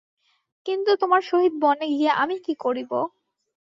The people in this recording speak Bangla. কিন্তু তোমার সহিত বনে গিয়া আমি কী করিব?